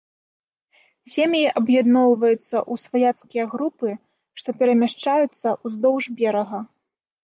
Сем'і аб'ядноўваюцца ў сваяцкія групы, што перамяшчаюцца ўздоўж берага.